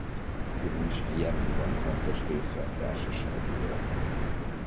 Különösen Jemenben fontos része a társasági életnek.